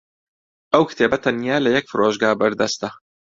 ئەو کتێبە تەنیا لە یەک فرۆشگا بەردەستە.